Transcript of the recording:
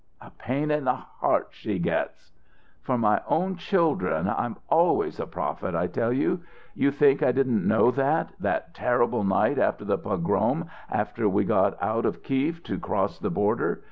"A pain in the heart she gets!" "For my own children I'm always a prophet, I tell you. You think I didn't know that that terrible night after the pogrom after we got out of Kief to cross the border!